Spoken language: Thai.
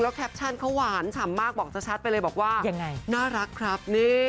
แคปชั่นเขาหวานฉ่ำมากบอกชัดไปเลยบอกว่ายังไงน่ารักครับ